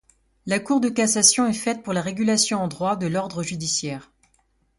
La Cour de cassation est faite pour la régulation en droit de l'ordre judiciaire.